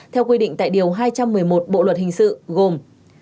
theo quy định tại điều hai trăm một mươi một bộ luật hình sự gồm